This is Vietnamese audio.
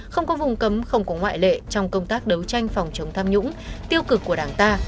không có vùng cấm không có ngoại lệ trong công tác đấu tranh phòng chống tham nhũng tiêu cực của đảng ta